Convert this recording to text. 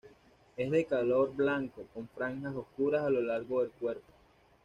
Es de color blanco, con franjas oscuras a lo largo del cuerpo.